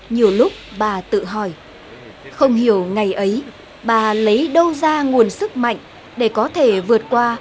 nhiều lúc bà tự hỏi không hiểu ngày ấy bà lấy đâu ra nguồn sức mạnh để có thể vượt qua